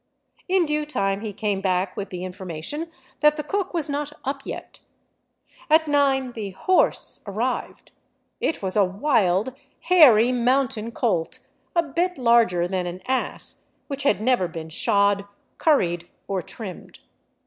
In due time he came back with the information that the cook was not up yet. At nine the " horse " arrived. It was a wild, hairy, mountain colt, a bit larger than an ass, which had never been shod, curried, or trimmed.